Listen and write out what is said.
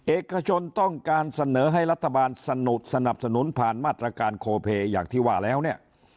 เอกชนต้องการเสนอให้รัฐบาลสนุกสนับสนุนผ่านมาตรการโคเพอย่างที่ว่าแล้วเนี่ย